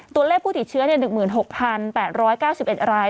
ตัวเลขผู้ติดเชื้อ๑๖๘๙๑ราย